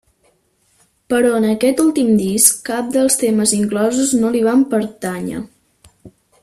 Però en aquest últim disc cap dels temes inclosos no li van pertànyer.